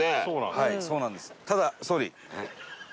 はいそうなんです。